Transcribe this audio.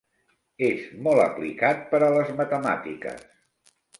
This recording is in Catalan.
És molt aplicat per a les matemàtiques.